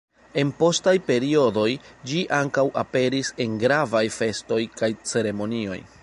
En postaj periodoj ĝi ankaŭ aperis en gravaj festoj kaj ceremonioj.